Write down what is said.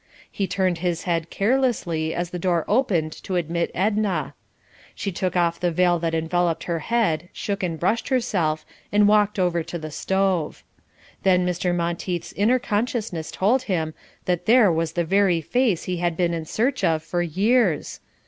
He turned his head carelessly as the door opened to admit Edna. She took off the veil that enveloped her head, shook and brushed herself, and walked over to the stove. Then Mr. Monteith's inner consciousness told him that there was the very face he had been in search of for years.